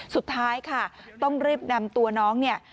สุดท้ายค่ะต้องรีบนำตัวน้องเนี่ย